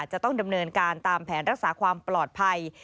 จะต้องดำเนินการตามแผนรักษาความปลอดภัย